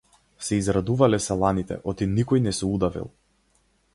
Се израдувале селаните оти никој не се удавил.